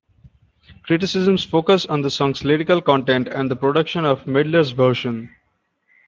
Criticisms focus on the song's lyrical content and the production of Midler's version.